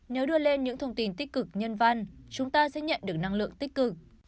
nếu đưa lên những thông tin tích cực nhân văn chúng ta sẽ nhận được năng lượng tích cực